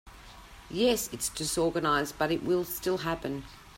Yes, it’s disorganized but it will still happen.